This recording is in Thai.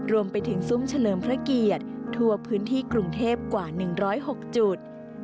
รวมไปถึงซุ่มเฉลิมพระเกียรติทั่วพื้นที่กรุงเทพกว่า๑๐๖จุด